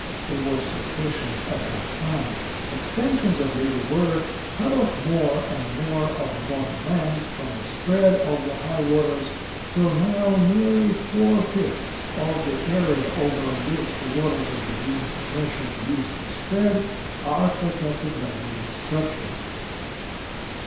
It was sufficient at that time. Extensions of levee work cut off more and more of the bottom lands from the spread of the high waters till now nearly four fifths of the area over which the waters of the June freshet used to spread are protected by these structures.